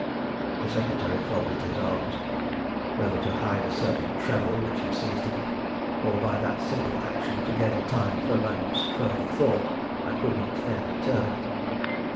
The secretary folded his arms, whether to hide a certain tremble which had seized him, or by that simple action to gain time for a moment's further thought, I could not then determine.